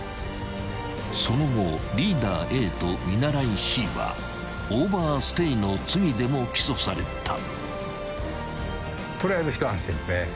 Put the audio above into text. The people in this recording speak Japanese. ［その後リーダーＡと見習いＣはオーバーステイの罪でも起訴された］